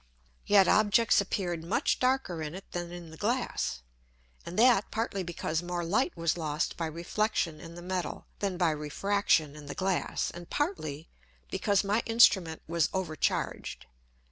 Yet Objects appeared much darker in it than in the Glass, and that partly because more Light was lost by Reflexion in the Metal, than by Refraction in the Glass, and partly because my Instrument was overcharged.